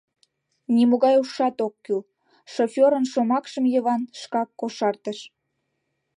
—... нимогай ушат ок кӱл, — шофёрын шомакшым Йыван шкак кошартыш.